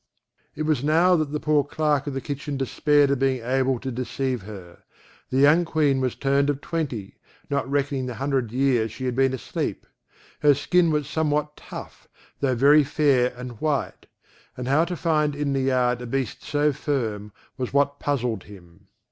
It was now that the poor clerk of the kitchen despaired of being able to deceive her. The young Queen was turned of twenty, not reckoning the hundred years she had been asleep: her skin was somewhat tough, tho' very fair and white; and how to find in the yard a beast so firm, was what puzzled him.